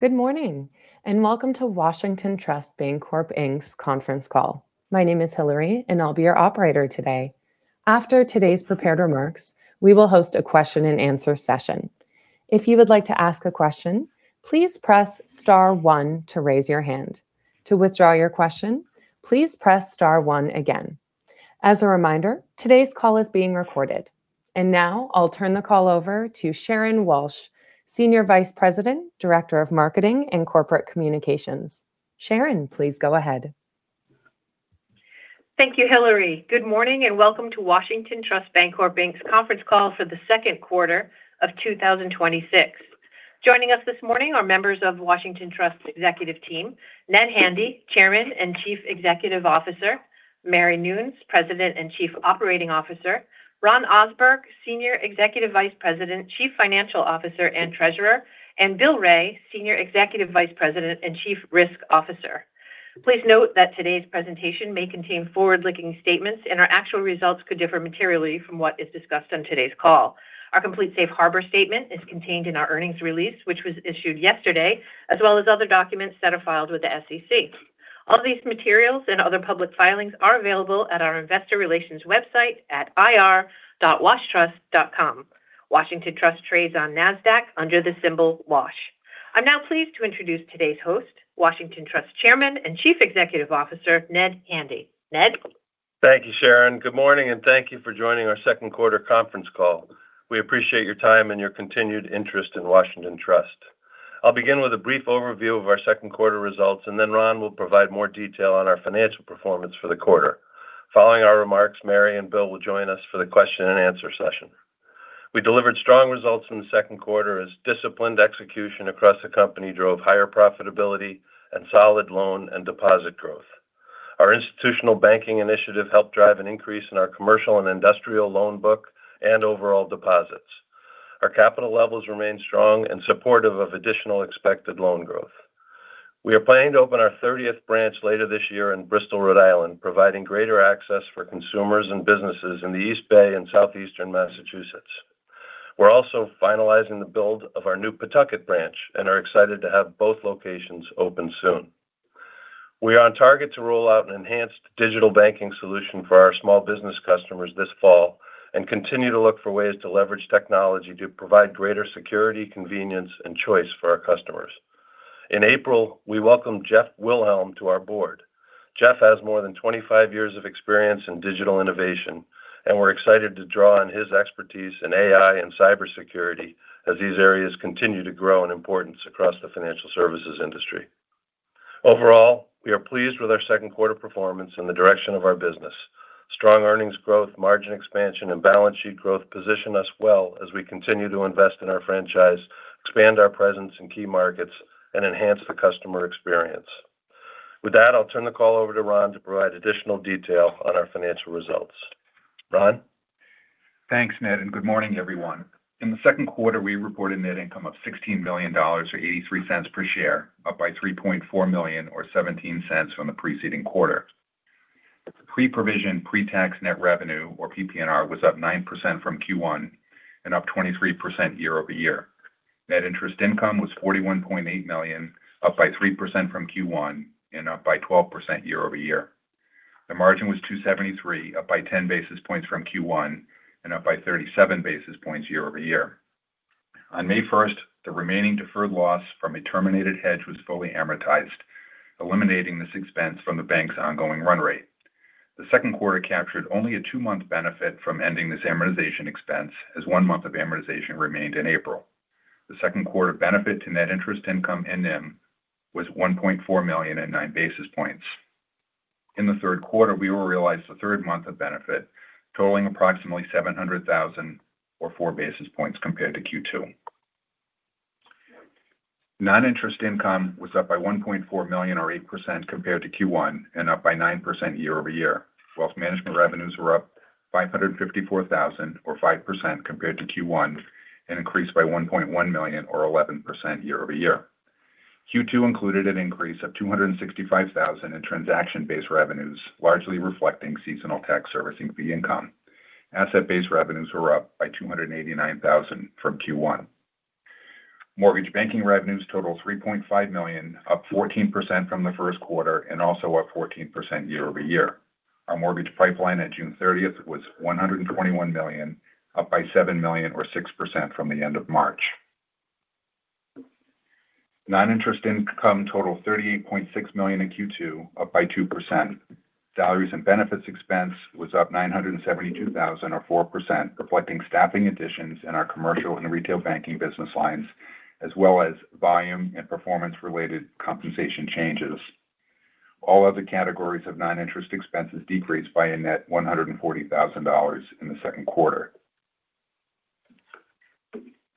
Good morning, welcome to Washington Trust Bancorp Inc's conference call. My name is Hillary, I'll be your operator today. After today's prepared remarks, we will host a question and answer session. If you would like to ask a question, please press star one to raise your hand. To withdraw your question, please press star one again. As a reminder, today's call is being recorded. Now I'll turn the call over to Sharon Walsh, Senior Vice President, Director of Marketing and Corporate Communications. Sharon, please go ahead. Thank you, Hillary. Good morning, welcome to Washington Trust Bancorp Inc's conference call for the second quarter of 2026. Joining us this morning are members of Washington Trust's executive team, Ned Handy, Chairman and Chief Executive Officer; Mary Nunes, President and Chief Operating Officer; Ron Ohsberg, Senior Executive Vice President, Chief Financial Officer, and Treasurer; and Bill Ray, Senior Executive Vice President and Chief Risk Officer. Please note that today's presentation may contain forward-looking statements, our actual results could differ materially from what is discussed on today's call. Our complete safe harbor statement is contained in our earnings release, which was issued yesterday, as well as other documents that are filed with the SEC. All these materials and other public filings are available at our investor relations website at ir.washtrust.com. Washington Trust trades on NASDAQ under the symbol WASH. I'm now pleased to introduce today's host, Washington Trust Chairman and Chief Executive Officer, Ned Handy. Ned? Thank you, Sharon. Good morning, thank you for joining our second quarter conference call. We appreciate your time and your continued interest in Washington Trust. I'll begin with a brief overview of our second quarter results, Ron will provide more detail on our financial performance for the quarter. Following our remarks, Mary and Bill will join us for the question and answer session. We delivered strong results from the second quarter as disciplined execution across the company drove higher profitability and solid loan and deposit growth. Our institutional banking initiative helped drive an increase in our C&I loan book and overall deposits. Our capital levels remain strong and supportive of additional expected loan growth. We are planning to open our 30th branch later this year in Bristol, Rhode Island, providing greater access for consumers and businesses in the East Bay and Southeastern Massachusetts. We're also finalizing the build of our new Pawtucket branch and are excited to have both locations open soon. We are on target to roll out an enhanced digital banking solution for our small business customers this fall and continue to look for ways to leverage technology to provide greater security, convenience, and choice for our customers. In April, we welcomed Jeff Wilhelm to our board. Jeff has more than 25 years of experience in digital innovation, and we're excited to draw on his expertise in AI and cybersecurity as these areas continue to grow in importance across the financial services industry. Overall, we are pleased with our second quarter performance and the direction of our business. Strong earnings growth, margin expansion, and balance sheet growth position us well as we continue to invest in our franchise, expand our presence in key markets, and enhance the customer experience. With that, I'll turn the call over to Ron to provide additional detail on our financial results. Ron? Thanks, Ned, and good morning, everyone. In the second quarter, we reported net income of $16 million, or $0.83 per share, up by $3.4 million or $0.17 from the preceding quarter. Pre-provision pretax net revenue, or PPNR, was up 9% from Q1 and up 23% year-over-year. Net interest income was $41.8 million, up by 3% from Q1 and up by 12% year-over-year. The margin was 273, up by 10 basis points from Q1 and up by 37 basis points year-over-year. On May 1st, the remaining deferred loss from a terminated hedge was fully amortized, eliminating this expense from the bank's ongoing run rate. The second quarter captured only a two month benefit from ending this amortization expense, as one month of amortization remained in April. The second quarter benefit to net interest income, NIM, was $1.4 million and nine basis points. In the third quarter, we will realize the third month of benefit, totaling approximately $700,000 or four basis points compared to Q2. Non-interest income was up by $1.4 million or 8% compared to Q1 and up by 9% year-over-year. Wealth management revenues were up $554,000 or 5% compared to Q1 and increased by $1.1 million or 11% year-over-year. Q2 included an increase of $265,000 in transaction-based revenues, largely reflecting seasonal tax servicing fee income. Asset-based revenues were up by $289,000 from Q1. Mortgage banking revenues total $3.5 million, up 14% from the first quarter and also up 14% year-over-year. Our mortgage pipeline at June 30th was $121 million, up by $7 million or 6% from the end of March. Non-interest income totaled $38.6 million in Q2, up by 2%. Salaries and benefits expense was up $972,000 or 4%, reflecting staffing additions in our commercial and retail banking business lines, as well as volume and performance related compensation changes. All other categories of non-interest expenses decreased by a net $140,000 in the second quarter.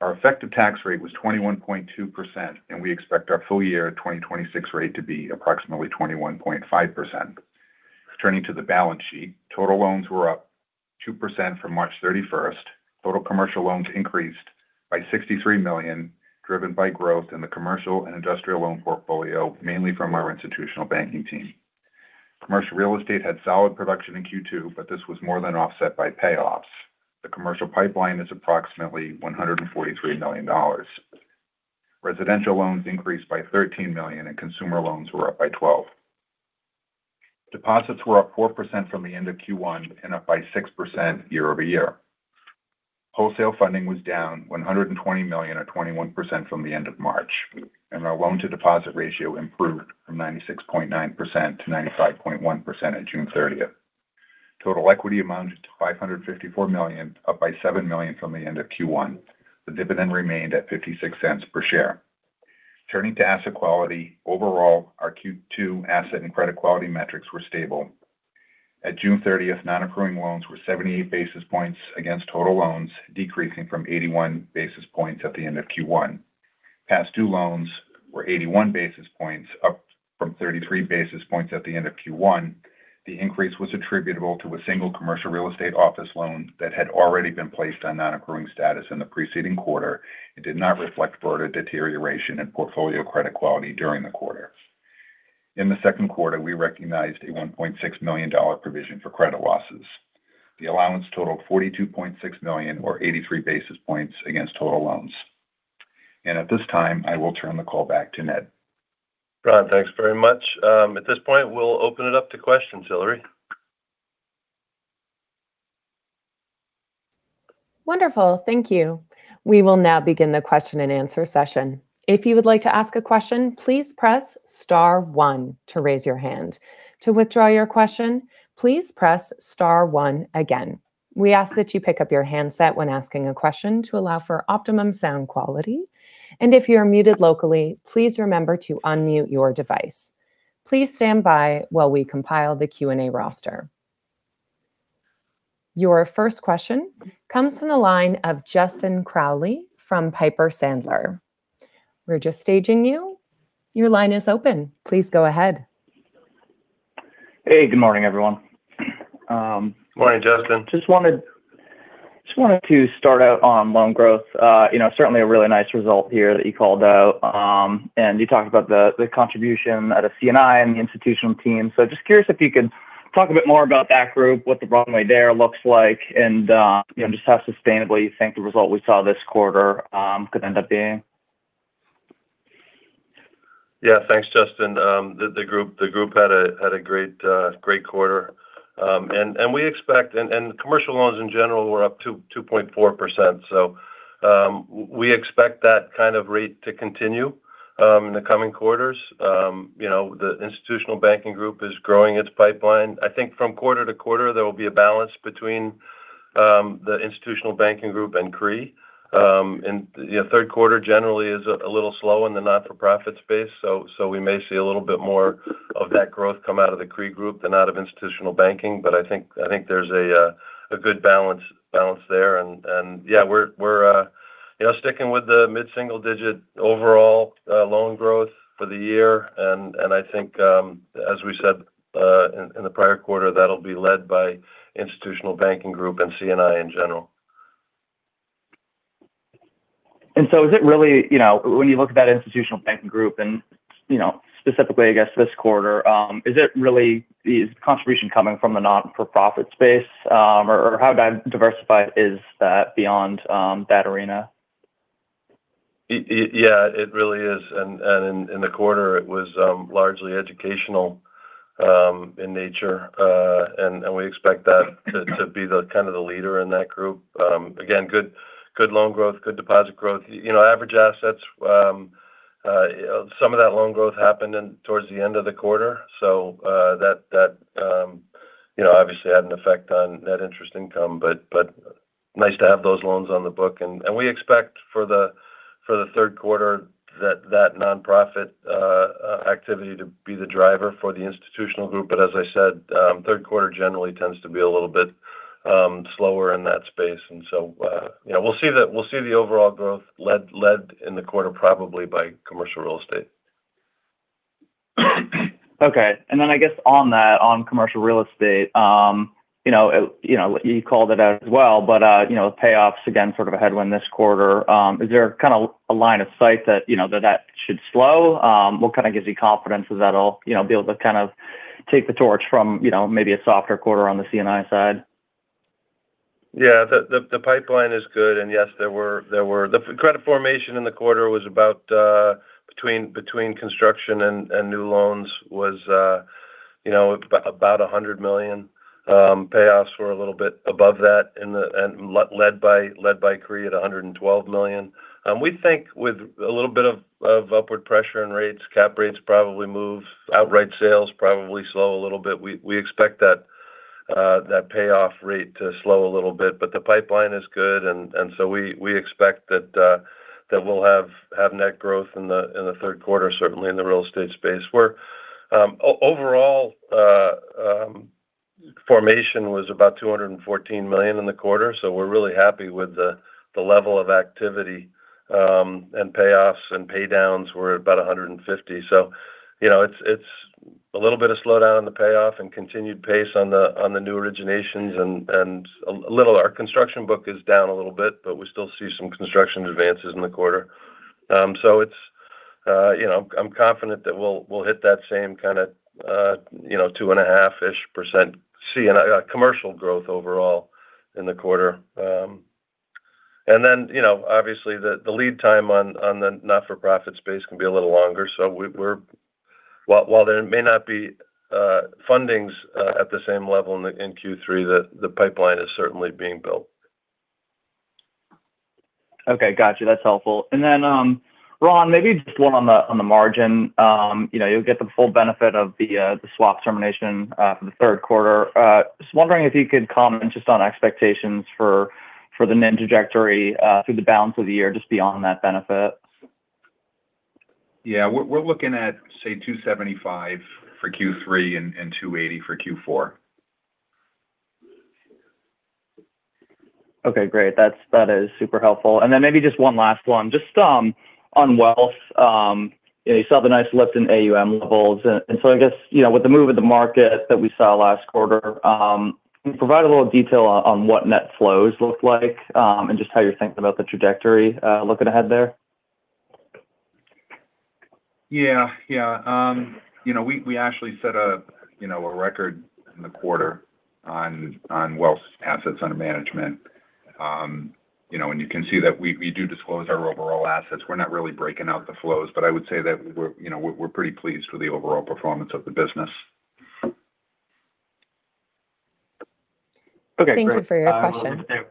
Our effective tax rate was 21.2%, and we expect our full-year 2026 rate to be approximately 21.5%. Turning to the balance sheet, total loans were up 2% from March 31st. Total commercial loans increased by $63 million, driven by growth in the commercial and industrial loan portfolio, mainly from our institutional banking team. Commercial real estate had solid production in Q2, but this was more than offset by payoffs. The commercial pipeline is approximately $143 million. Residential loans increased by $13 million, and consumer loans were up by $12 million. Deposits were up 4% from the end of Q1 and up by 6% year-over-year. Wholesale funding was down $120 million or 21% from the end of March, and our loan-to-deposit ratio improved from 96.9%-95.1% at June 30th. Total equity amounted to $554 million, up by $7 million from the end of Q1. The dividend remained at $0.56 per share. Turning to asset quality, overall, our Q2 asset and credit quality metrics were stable. At June 30th, non-accruing loans were 78 basis points against total loans, decreasing from 81 basis points at the end of Q1. Past due loans were 81 basis points, up from 33 basis points at the end of Q1. The increase was attributable to a single commercial real estate office loan that had already been placed on non-accruing status in the preceding quarter. It did not reflect further deterioration in portfolio credit quality during the quarter. In the second quarter, we recognized a $1.6 million provision for credit losses. The allowance totaled $42.6 million or 83 basis points against total loans. At this time, I will turn the call back to Ned. Ron, thanks very much. At this point, we'll open it up to questions. Hillary? Wonderful. Thank you. We will now begin the question and answer session. If you would like to ask a question, please press star one to raise your hand. To withdraw your question, please press star one again. We ask that you pick up your handset when asking a question to allow for optimum sound quality. If you are muted locally, please remember to unmute your device. Please stand by while we compile the Q&A roster. Your first question comes from the line of Justin Crowley from Piper Sandler. We're just staging you. Your line is open. Please go ahead. Hey, good morning, everyone. Morning, Justin. Just wanted to start out on loan growth. Certainly a really nice result here that you called out. You talked about the contribution out of C&I and the institutional team. Just curious if you could talk a bit more about that group, what the runway there looks like, and just how sustainable you think the result we saw this quarter could end up being. Thanks, Justin. The group had a great quarter. Commercial loans, in general, were up 2.4%, so we expect that kind of rate to continue in the coming quarters. The institutional banking group is growing its pipeline. I think from quarter-to-quarter, there will be a balance between the institutional banking group and CRE. Third quarter generally is a little slow in the not-for-profit space, so we may see a little bit more of that growth come out of the CRE group than out of institutional banking. I think there's a good balance there, and we're sticking with the mid-single-digit overall loan growth for the year, and I think as we said in the prior quarter, that'll be led by institutional banking group and C&I in general. Is it really, when you look at that institutional banking group and specifically, I guess, this quarter, is the contribution coming from the not-for-profit space? How diversified is that beyond that arena? It really is, in the quarter, it was largely educational in nature. We expect that to be the kind of the leader in that group. Again, good loan growth, good deposit growth. Average assets, some of that loan growth happened towards the end of the quarter, so that obviously had an effect on net interest income. Nice to have those loans on the book. We expect for the third quarter that not-for-profit activity to be the driver for the institutional group. As I said, third quarter generally tends to be a little bit slower in that space. We'll see the overall growth led in the quarter probably by commercial real estate. Okay. I guess on that, on commercial real estate, you called it out as well, payoffs again, sort of a headwind this quarter. Is there kind of a line of sight that should slow? What kind of gives you confidence that'll be able to kind of take the torch from maybe a softer quarter on the C&I side? Yeah. Yes, the credit formation in the quarter between construction and new loans was about $100 million. Payoffs were a little bit above that and led by CRE at $112 million. We think with a little bit of upward pressure in rates, cap rates probably move. Outright sales probably slow a little bit. We expect that payoff rate to slow a little bit, but the pipeline is good. We expect that we'll have net growth in the third quarter, certainly in the real estate space, where overall formation was about $214 million in the quarter. We're really happy with the level of activity. Payoffs and paydowns were at about $150. It's a little bit of slowdown in the payoff and continued pace on the new originations. Our construction book is down a little bit, but we still see some construction advances in the quarter. I'm confident that we'll hit that same kind of 2.5% commercial growth overall in the quarter. Obviously the lead time on the not-for-profit space can be a little longer. While there may not be fundings at the same level in Q3, the pipeline is certainly being built. Okay. Got you. That's helpful. Ron, maybe just one on the margin. You'll get the full benefit of the swap termination for the third quarter. Just wondering if you could comment just on expectations for the NIM trajectory through the balance of the year, just beyond that benefit. Yeah, we're looking at, say, 2.75% for Q3 and 2.80% for Q4. Okay, great. That is super helpful. Then maybe just one last one. Just on wealth, you saw the nice lift in AUM levels. So I guess, with the move of the market that we saw last quarter, can you provide a little detail on what net flows look like and just how you're thinking about the trajectory looking ahead there? Yeah. We actually set a record in the quarter on wealth assets under management. You can see that we do disclose our overall assets. We're not really breaking out the flows, but I would say that we're pretty pleased with the overall performance of the business. Okay, great. Thank you for your question. We'll leave it there.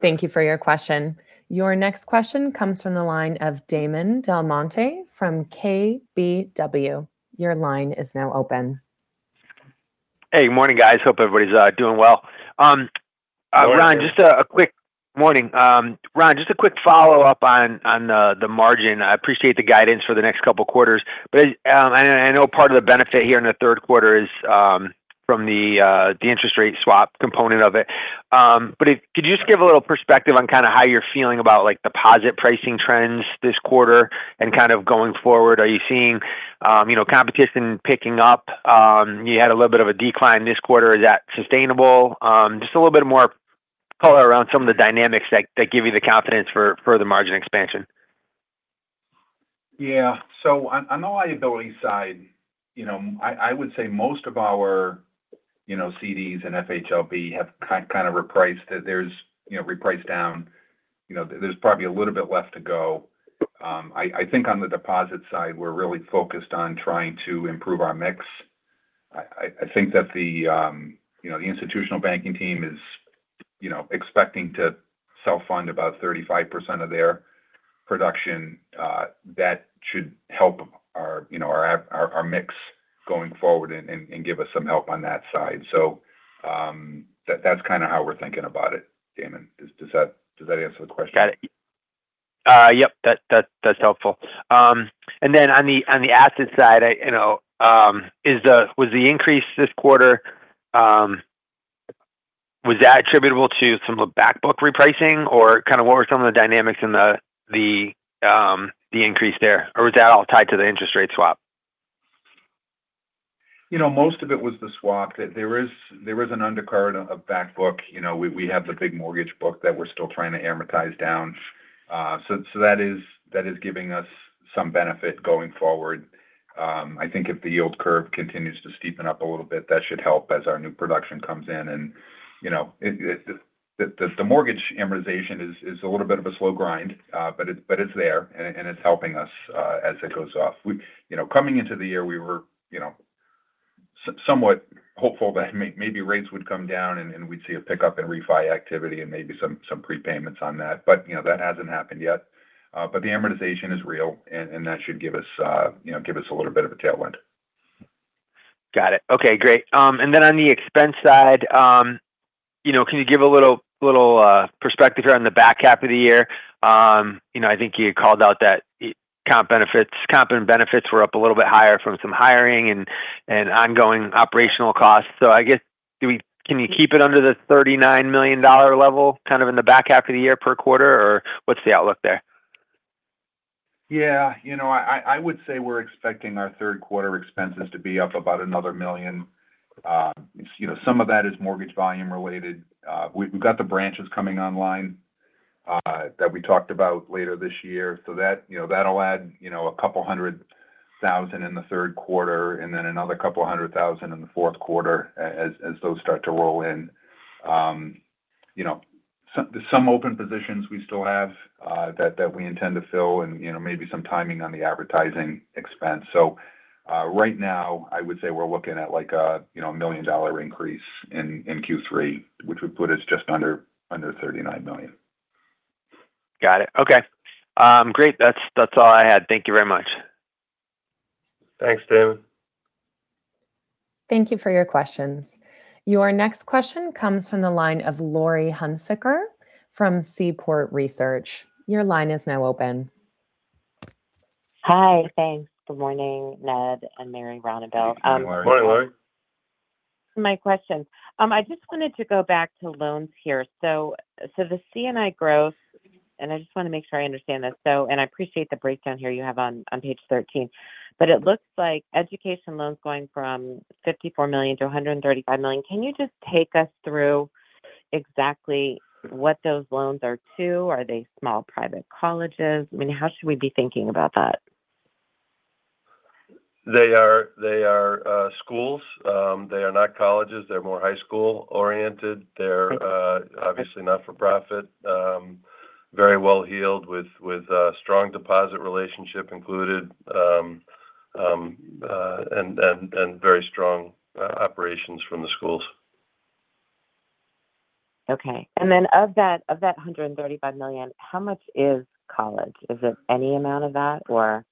Thank you for your question. Your next question comes from the line of Damon DelMonte from KBW. Your line is now open. Hey, good morning, guys. Hope everybody's doing well. Good morning. Morning. Ron, just a quick follow-up on the margin. I appreciate the guidance for the next couple of quarters. I know part of the benefit here in the third quarter is from the interest rate swap component of it. Could you just give a little perspective on how you're feeling about deposit pricing trends this quarter and going forward? Are you seeing competition picking up? You had a little bit of a decline this quarter. Is that sustainable? Just a little bit more color around some of the dynamics that give you the confidence for the margin expansion. Yeah. On the liability side, I would say most of our CDs and FHLB have repriced down. There's probably a little bit left to go. I think on the deposit side, we're really focused on trying to improve our mix. I think that the institutional banking team is expecting to self-fund about 35% of their production. That should help our mix going forward and give us some help on that side. That's how we're thinking about it, Damon. Does that answer the question? Got it. Yep, that's helpful. On the asset side, was the increase this quarter attributable to some of back book repricing? What were some of the dynamics in the increase there? Was that all tied to the interest rate swap? You know, most of it was the swap. There is an undercurrent of back book. We have the big mortgage book that we're still trying to amortize down. That is giving us some benefit going forward. I think if the yield curve continues to steepen up a little bit, that should help as our new production comes in. The mortgage amortization is a little bit of a slow grind. It's there, and it's helping us as it goes off. Coming into the year, we were somewhat hopeful that maybe rates would come down and we'd see a pickup in refi activity and maybe some prepayments on that. That hasn't happened yet. The amortization is real, and that should give us a little bit of a tailwind. Got it. Okay, great. Then on the expense side, can you give a little perspective here on the back half of the year? I think you had called out that comp and benefits were up a little bit higher from some hiring and ongoing operational costs. I guess, can you keep it under the $39 million level in the back half of the year per quarter, or what's the outlook there? Yeah. I would say we're expecting our third quarter expenses to be up about another $1 million. Some of that is mortgage volume related. We've got the branches coming online that we talked about later this year. That'll add about $200,000 in the third quarter and then another $200,000 in the fourth quarter as those start to roll in. Some open positions we still have that we intend to fill and maybe some timing on the advertising expense. Right now, I would say we're looking at a $1 million increase in Q3, which would put us just under $39 million. Got it. Okay. Great. That's all I had. Thank you very much. Thanks, Damon. Thank you for your questions. Your next question comes from the line of Laurie Hunsicker from Seaport Research. Your line is now open. Hi, thanks. Good morning, Ned and Mary, Ron and Bill. Good morning, Laurie. Morning, Laurie. My question. I just wanted to go back to loans here. The C&I growth, I just want to make sure I understand this. I appreciate the breakdown here you have on page 13. It looks like education loans going from $54 million-$135 million. Can you just take us through exactly what those loans are to? Are they small private colleges? How should we be thinking about that? They are schools. They are not colleges. They're more high school oriented. They're obviously not-for-profit. Very well-heeled with a strong deposit relationship included, and very strong operations from the schools. Okay. Of that $135 million, how much is college? Is it any amount of that, or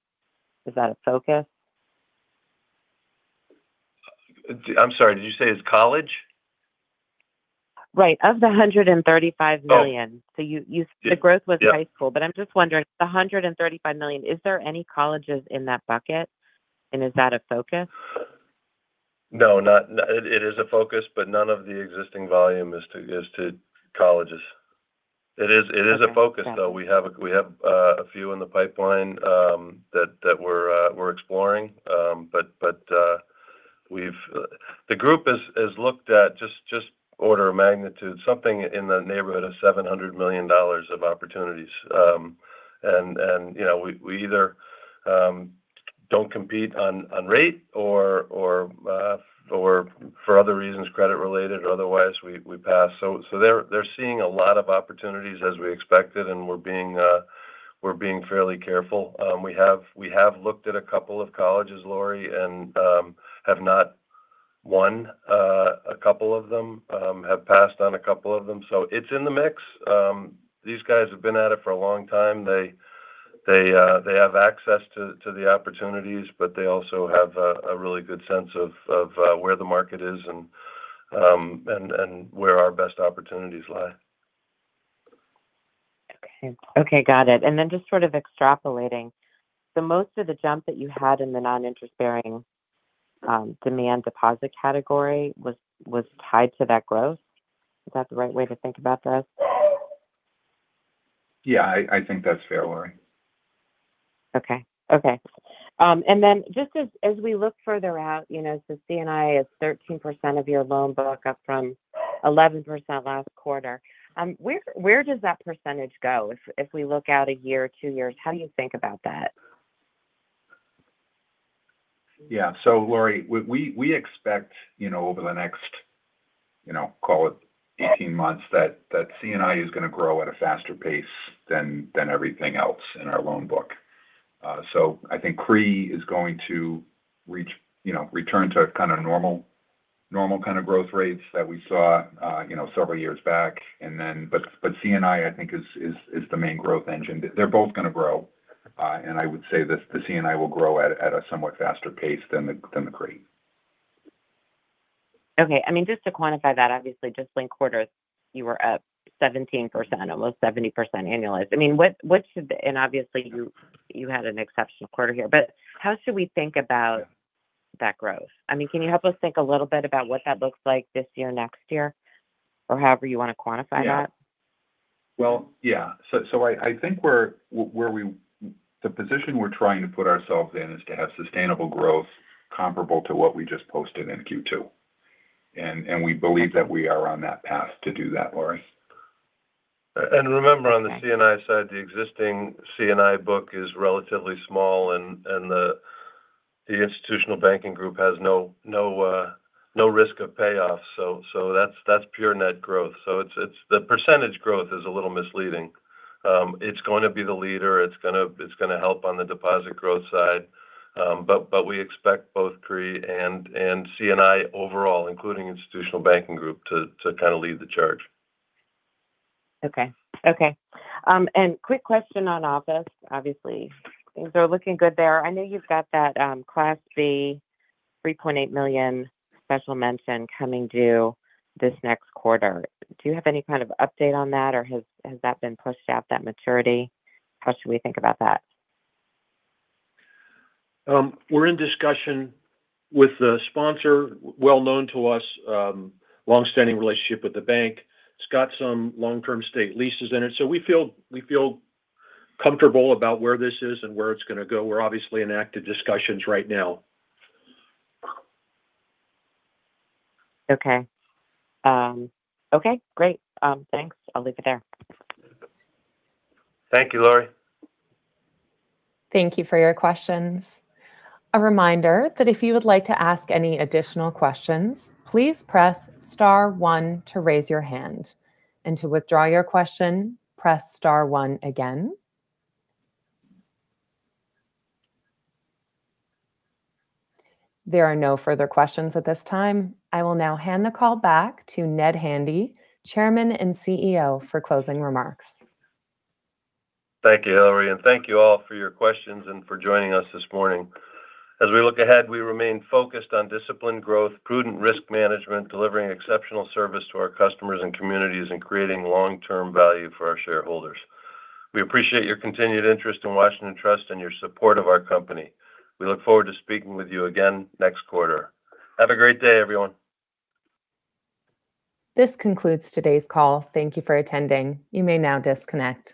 is that a focus? I'm sorry, did you say is college? Right. Of the $135 million. Oh. The growth was high school. Yeah. I'm just wondering, the $135 million, is there any colleges in that bucket? Is that a focus? No. It is a focus, but none of the existing volume is to colleges. Okay. Got it. It is a focus, though. We have a few in the pipeline that we're exploring. The group has looked at just order of magnitude, something in the neighborhood of $700 million of opportunities. We either don't compete on rate or for other reasons, credit-related or otherwise, we pass. They're seeing a lot of opportunities as we expected, and we're being fairly careful. We have looked at a couple of colleges, Laurie, and have not won a couple of them. Have passed on a couple of them. It's in the mix. These guys have been at it for a long time. They have access to the opportunities, but they also have a really good sense of where the market is and where our best opportunities lie. Okay. Got it. Just sort of extrapolating, most of the jump that you had in the non-interest bearing demand deposit category was tied to that growth? Is that the right way to think about this? Yeah, I think that's fair, Laurie. Okay. Then just as we look further out, C&I is 13% of your loan book up from 11% last quarter. Where does that percentage go if we look out a year or two years? How do you think about that? Yeah. Laurie, we expect over the next call it 18 months, that C&I is going to grow at a faster pace than everything else in our loan book. I think CRE is going to return to a kind of normal growth rates that we saw several years back. C&I think is the main growth engine. They're both going to grow. I would say the C&I will grow at a somewhat faster pace than the CRE. Okay. Just to quantify that, obviously just linked quarters, you were up 17%, almost 70% annualized. Obviously you had an exceptional quarter here, how should we think about that growth? Can you help us think a little bit about what that looks like this year, or next year? However you want to quantify that. I think the position we're trying to put ourselves in is to have sustainable growth comparable to what we just posted in Q2. We believe that we are on that path to do that, Laurie. Remember on the C&I side, the existing C&I book is relatively small and the Institutional Banking group has no risk of payoff. That's pure net growth. The percentage growth is a little misleading. It's going to be the leader. It's going to help on the deposit growth side. We expect both CRE and C&I overall, including Institutional Banking group, to kind of lead the charge. Quick question on office. Obviously, things are looking good there. I know you've got that Class B $3.8 million special mention coming due this next quarter. Do you have any kind of update on that, or has that been pushed out, that maturity? How should we think about that? We're in discussion with the sponsor, well known to us, longstanding relationship with the bank. It's got some long-term state leases in it. We feel comfortable about where this is and where it's going to go. We're obviously in active discussions right now. Okay. Great. Thanks. I'll leave it there. Thank you, Laurie. Thank you for your questions. A reminder that if you would like to ask any additional questions, please press star one to raise your hand. To withdraw your question, press star one again. There are no further questions at this time. I will now hand the call back to Ned Handy, Chairman and CEO, for closing remarks. Thank you, Hillary, and thank you all for your questions and for joining us this morning. As we look ahead, we remain focused on disciplined growth, prudent risk management, delivering exceptional service to our customers and communities, and creating long-term value for our shareholders. We appreciate your continued interest in Washington Trust and your support of our company. We look forward to speaking with you again next quarter. Have a great day, everyone. This concludes today's call. Thank you for attending. You may now disconnect.